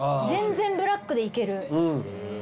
全然ブラックでいける。